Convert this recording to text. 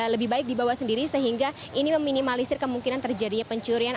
lebih baik dibawa sendiri sehingga ini meminimalisir kemungkinan terjadinya pencurian